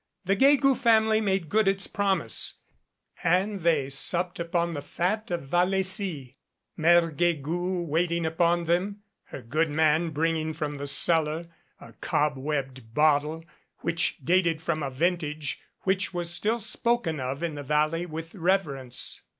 The Guegou family made good its promise, and they supped upon the fat of Vallecy, Mere Guegou waiting upon them, her good man bringing from the cellar a cob webbed bottle which dated from a vintage which was still spoken of in the valley with reverence.